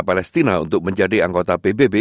palestina untuk menjadi anggota pbb